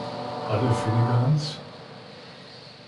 Alle Finnegans?